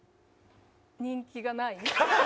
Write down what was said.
人気がない。